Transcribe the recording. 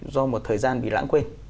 do một thời gian bị lãng quên